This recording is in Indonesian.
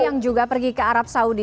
yang juga pergi ke arab saudi